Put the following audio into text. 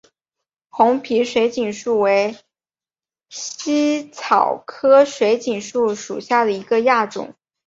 红皮水锦树为茜草科水锦树属下的一个亚种。